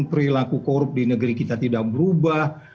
perilaku korup di negeri kita tidak berubah